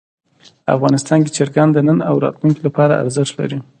افغانستان کې چرګان د نن او راتلونکي لپاره ارزښت لري.